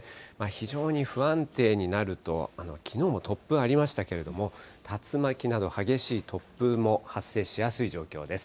非常に不安定になるときのうも突風ありましたけれども、竜巻など激しい突風も発生しやすい状況です。